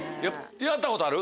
やったことある？